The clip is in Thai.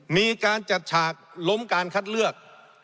มีการจัดฉากล้มการคัดเลือก